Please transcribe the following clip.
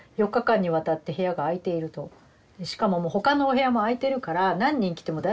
しかももう他のお部屋も空いてるから何人来ても大丈夫って言われたので。